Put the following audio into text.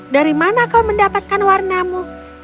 dari mana kau mendapatkan warnamu